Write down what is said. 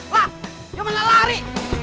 wah gimana lari